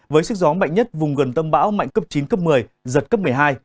với sức gió mạnh nhất vùng gần tâm bão mạnh cấp chín cấp một mươi giật cấp một mươi hai